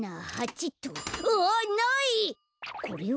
これは？